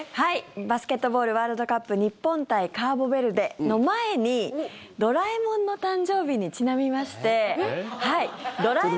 バスケットボールワールドカップ日本対カーボベルデの前にドラえもんの誕生日にちなみまして。